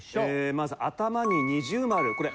まず頭に二重丸これ。